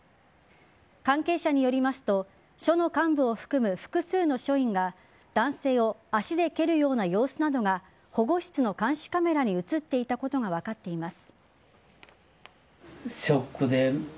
関係者によりますと署の幹部を含む複数の署員が男性を足で蹴るような様子などが保護室の監視カメラに映っていたことが分かっています。